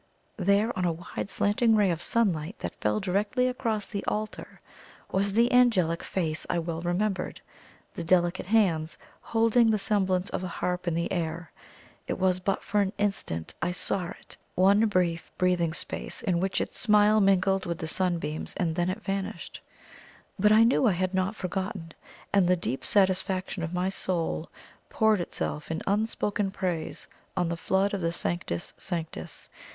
There, on a wide slanting ray of sunlight that fell directly across the altar was the angelic face I well remembered! the delicate hands holding the semblance of a harp in air! It was but for an instant I saw it one brief breathing space in which its smile mingled with the sunbeams and then it vanished. But I knew I was not forgotten, and the deep satisfaction of my soul poured itself in unspoken praise on the flood of the "Sanctus! Sanctus!"